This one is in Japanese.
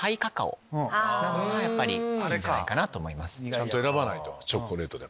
ちゃんと選ばないとチョコレートでも。